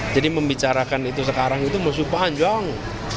jadi membicarakan itu sekarang itu masih panjang